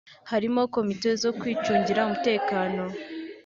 harimo komite zo kwicungira umutekano